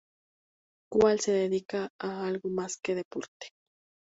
Coal se dedica a algo más que deporte.